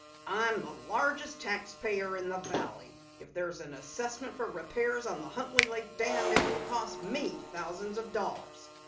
"I'm the largest tax payer in the valley. If there's an assessment for repairs on the Huntley Lake Dam it will cost me thousands of dollars."